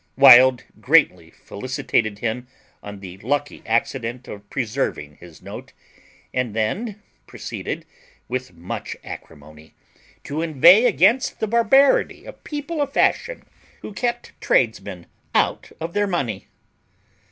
Wild greatly felicitated him on the lucky accident of preserving his note, and then proceeded, with much acrimony, to inveigh against the barbarity of people of fashion, who kept tradesmen out of their money.